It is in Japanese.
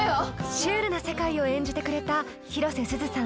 シュールな世界を演じてくれた広瀬すずさん